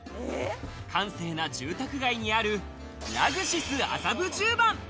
閑静な住宅街にあるＬｕｘｓｉｓ麻布十番。